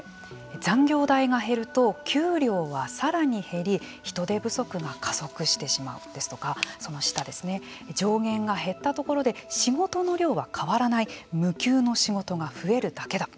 残業代が減ると給料はさらに減り人手不足が加速してしまうですとかその下、上限が減ったところで仕事の量は変わらない無休の仕事が増えるだけだ。